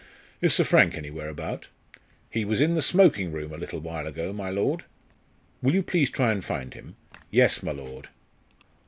"Is Sir Frank anywhere about?" "He was in the smoking room a little while ago, my lord." "Will you please try and find him?" "Yes, my lord."